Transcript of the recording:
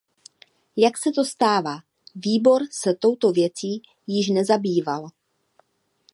Jak se to stává, Výbor se touto věcí již zabýval.